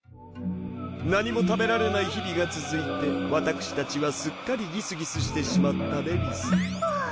何も食べられない日々が続いて私たちはすっかりギスギスしてしまったでうぃすふぅ。